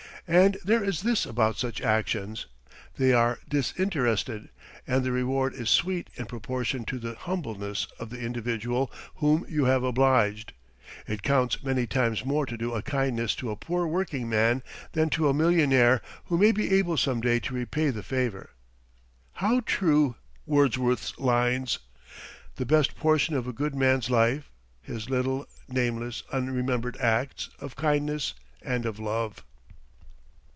And there is this about such actions: they are disinterested, and the reward is sweet in proportion to the humbleness of the individual whom you have obliged. It counts many times more to do a kindness to a poor working man than to a millionaire, who may be able some day to repay the favor. How true Wordsworth's lines: "That best portion of a good man's life His little, nameless, unremembered acts Of kindness and of love."